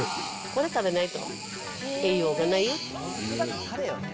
これ食べないと栄養がないよ。